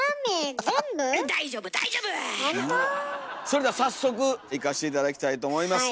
それでは早速いかして頂きたいと思います。